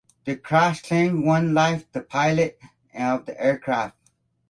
This crash claimed one life: the pilot of the aircraft.